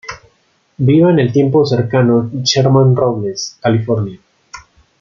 Viva en el tiempo en cercano Sherman Robles, California.